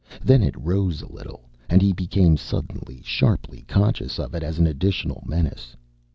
Then it rose a little, and he became suddenly sharply conscious of it as an additional menace.